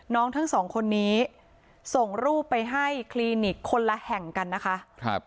ทั้งสองคนนี้ส่งรูปไปให้คลินิกคนละแห่งกันนะคะ